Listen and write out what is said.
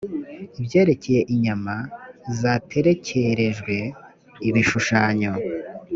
ibyerekeye inyama zaterekerejwe ibishushanyo